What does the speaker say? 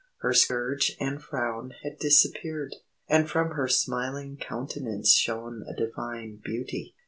Her scourge and frown had disappeared, and from her smiling countenance shone a divine beauty.